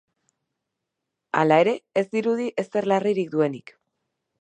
Hala ere, ez dirudi ezer larririk duenik.